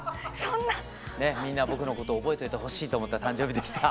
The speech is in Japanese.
みんな僕のこと覚えといてほしいと思った誕生日でした。